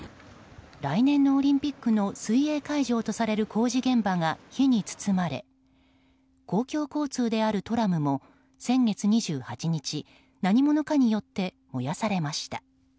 来年のオリンピックの水泳会場とされる工事現場が火に包まれ公共交通であるトラムも先月２８日何者かによって燃やされました。